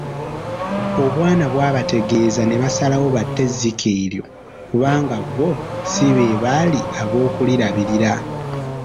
Obwana bwabategeeza ne basalawo batte ezzike eryo kubanga bo si beebaali ab’okulirabirira.